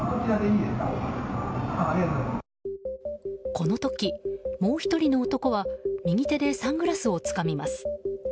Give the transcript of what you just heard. この時、もう１人の男は右手でサングラスをつかみます。